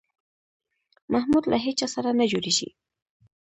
محمود له هېچا سره نه جوړېږي.